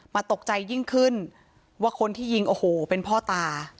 ตกใจยิ่งขึ้นว่าคนที่ยิงโอ้โหเป็นพ่อตา